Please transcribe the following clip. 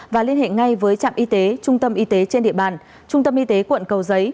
và liên hệ ngay với trạm y tế trung tâm y tế trên địa bàn trung tâm y tế quận cầu giấy